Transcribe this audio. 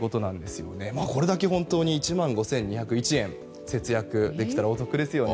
これだけ１万５２０１円節約できたらお得ですよね。